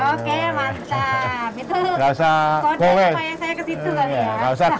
itu kode saya kesitu kali ya